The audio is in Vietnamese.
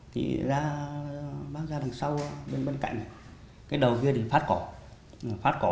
thế vì con gái tôi đó